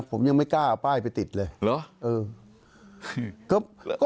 เธอไม่กล้าจับป้ายไปติดเลย